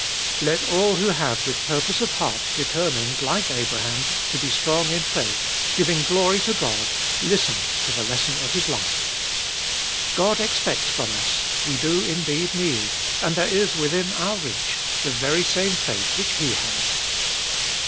"Let all who have with purpose of heart determined, like Abraham, to be strong in faith, giving glory to God, listen to the lesson of his life. God expects from us, we do indeed need, and there is within our reach, the very same faith which he had.